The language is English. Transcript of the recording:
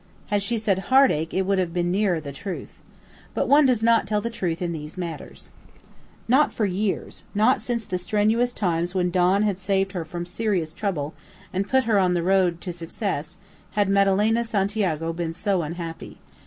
Had she said heartache it would have been nearer the truth. But one does not tell the truth in these matters. Not for years not since the strenuous times when Don had saved her from serious trouble and put her on the road to success had Madalena de Santiago been so unhappy.